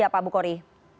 apa pak bukhari